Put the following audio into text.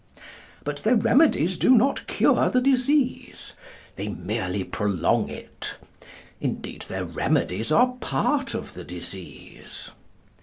But their remedies do not cure the disease: they merely prolong it. Indeed, their remedies are part of the disease.